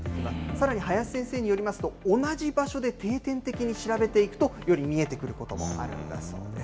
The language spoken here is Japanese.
さらに林先生によりますと、同じ場所で定点的に調べていくと、より見えてくることもあるんだそうです。